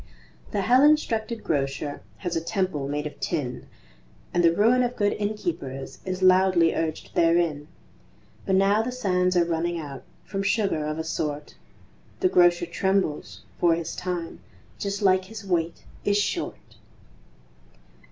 The hell instructed Grocer Has a temple made of tin, And the ruin of good innkeepers Is loudly urged therein; But now the sands are running out From sugar of a sort, The Grocer trembles; for his time, Just like his weight, is short.